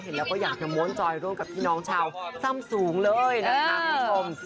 เห็นแล้วก็อย่างขมโม้นจอยกับพี่น้องชาวส้ำสูงเลยนะคะคุณผู้ชม